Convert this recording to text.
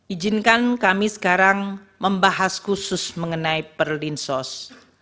ijinkan kami sekarang membahas khusus mengenai perlinsos